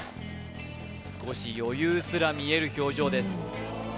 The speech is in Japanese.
少し余裕すら見える表情です